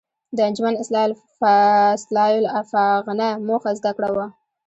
د انجمن اصلاح الافاغنه موخه زده کړه وه.